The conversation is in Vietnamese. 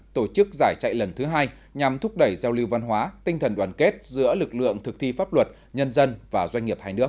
tổ chức giải chạy lần thứ hai nhằm thúc đẩy giao lưu văn hóa tinh thần đoàn kết giữa lực lượng thực thi pháp luật nhân dân và doanh nghiệp hai nước